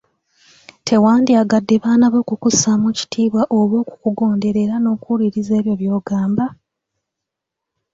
Tewandyagadde baana bo kukussaamu kitiibwa oba okukugondera era n'okuwuliriza ebyo by'obagamba ?